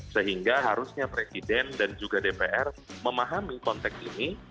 sehingga harusnya presiden dan juga dpr memahami konteks ini